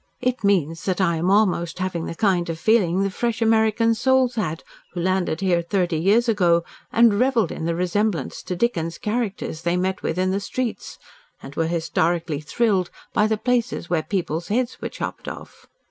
It means that I am almost having the kind of feeling the fresh American souls had who landed here thirty years ago and revelled in the resemblance to Dickens's characters they met with in the streets, and were historically thrilled by the places where people's heads were chopped off.